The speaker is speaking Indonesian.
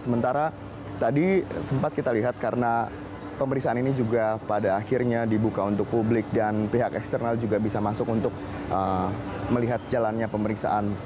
sementara tadi sempat kita lihat karena pemeriksaan ini juga pada akhirnya dibuka untuk publik dan pihak eksternal juga bisa masuk untuk melihat jalannya pemeriksaan